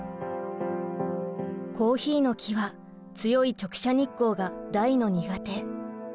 コーヒーの木は強い直射日光が大の苦手。